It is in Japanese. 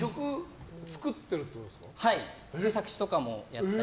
はい。